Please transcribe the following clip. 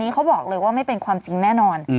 เขาบอกเลยว่าไม่เป็นความจริงแน่นอน